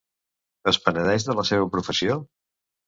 Es penedeix de la seva professió?